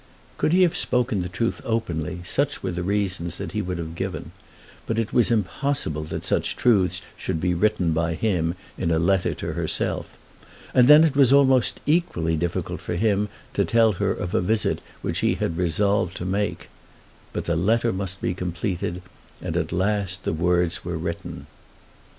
Could he have spoken the truth openly, such were the reasons that he would have given; but it was impossible that such truths should be written by him in a letter to herself. And then it was almost equally difficult for him to tell her of a visit which he had resolved to make. But the letter must be completed, and at last the words were written.